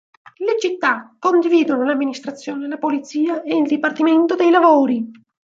Le città condividono l'amministrazione, la polizia e il dipartimento dei lavori.